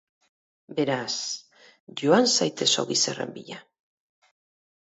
Beraz, joan zaitez ogi xerren bila.